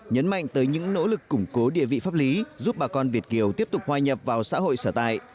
nhấn mạnh tới những nỗ lực củng cố địa vị pháp lý giúp bà con việt kiều tiếp tục hòa nhập vào xã hội sở tại